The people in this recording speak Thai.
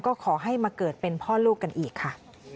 ก็ขอให้มาเกิดเป็นพ่อลูกกันอีกค่ะ